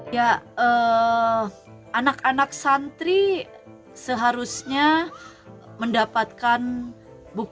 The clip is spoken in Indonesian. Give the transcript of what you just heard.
ya anak anak santri seharusnya mendapatkan kekuatan yang lebih baik